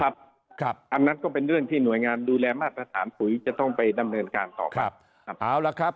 อันนั้นก็เป็นก็เป็นเรื่องที่หน่วยงานดูแลมาตรฐานปุ๋ยก็จะต้องไปนำเนินการต่อมา